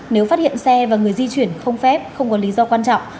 nếu phát hiện xe và người di chuyển không phép không có lý do quan trọng